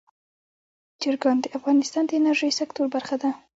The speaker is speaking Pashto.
چرګان د افغانستان د انرژۍ سکتور برخه ده.